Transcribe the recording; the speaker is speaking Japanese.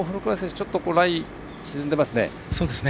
ちょっとライ沈んでますね。